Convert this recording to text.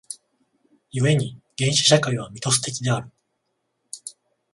故に原始社会はミトス的である。